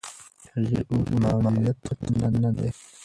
هغې وویل معلولیت خنډ نه دی.